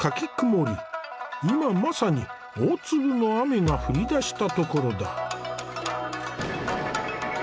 今まさに大粒の雨が降りだしたところだ。